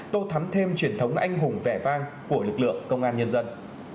tô thắm thêm truyền thống anh hùng vẻ vang của lực lượng công an nhân dân